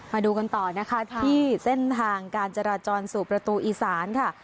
มาดูกันต่อนะคะที่เส้นทางการจราจรสู่ประตูอีสานค่ะ